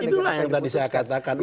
itulah yang tadi saya katakan